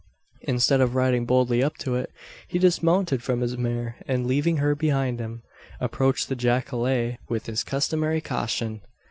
Instead of riding boldly up to it, he dismounted from his mare; and leaving her behind him, approached the jacale with his customary caution.